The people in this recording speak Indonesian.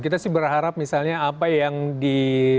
kita sih berharap misalnya apa yang di